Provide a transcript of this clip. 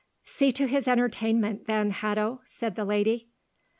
"See to his entertainment, then, Hatto," said the lady.